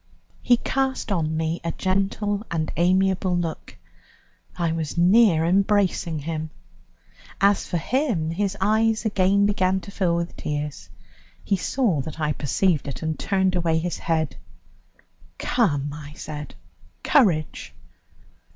He cast on me a gentle and amiable look. I was near embracing him. As for him, his eyes again began to fill with tears; he saw that I perceived it and turned away his head. "Come," I said, "courage."